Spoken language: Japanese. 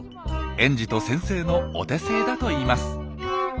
園児と先生のお手製だといいます。